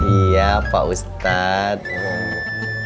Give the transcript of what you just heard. iya pak ustadz